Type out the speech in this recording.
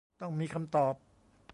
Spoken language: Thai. ต้องมีคำตอบ